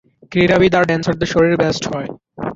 ক্রীড়াবিদ আর ড্যান্সারদের শরীর বেস্ট হয়।